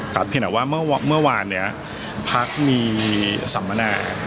แต่เผนอ่ะว่าเมื่อวานเนี้ยพักมีสามมะนาท